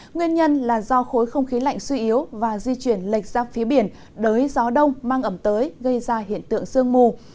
nguyên nhân là do khối không khí lạnh suy yếu và di chuyển lệch ra phía biển đới gió đông mang ẩm tới gây ra hiện tượng sương mù